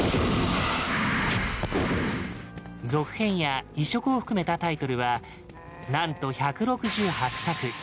続編や移植を含めたタイトルはなんと１６８作。